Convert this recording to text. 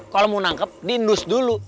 kalau mau nangkep diindus dulu